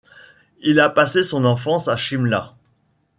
Il a passé son enfance à Shimla.